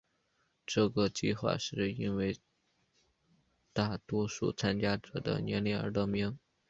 这个计画是因为大多数参加者的年龄而得名。